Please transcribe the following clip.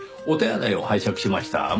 お手洗いを拝借しました。